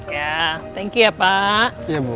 ya terima kasih ya pak